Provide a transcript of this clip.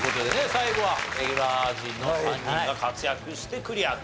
最後はレギュラー陣の３人が活躍してクリアと。